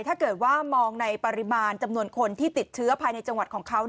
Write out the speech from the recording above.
ถ้าเกิดว่ามองในปริมาณจำนวนคนที่ติดเชื้อภายในจังหวัดของเขา